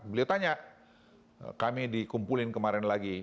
beliau tanya kami dikumpulin kemarin lagi